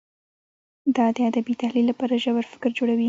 دا د ادبي تحلیل لپاره ژور فکر جوړوي.